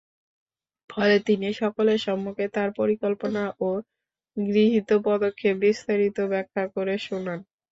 ফলে তিনি সকলের সম্মুখে তার পরিকল্পনা ও গৃহীত পদক্ষেপ বিস্তারিত ব্যাখ্যা করে শুনান।